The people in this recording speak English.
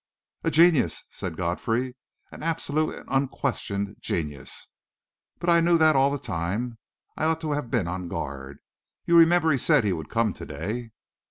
"A genius," said Godfrey. "An absolute and unquestioned genius. But I knew that all the time, and I ought to have been on guard. You remember he said he would come to day?"